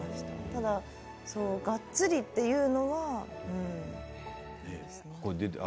ただ、がっつりというのはないですね。